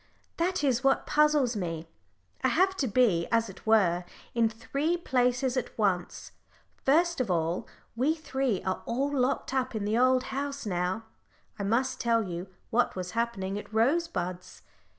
That is what puzzles me. I have to be, as it were, in three places at once. First of all we three are all locked up in the old house now I must tell you what was happening at Rosebuds.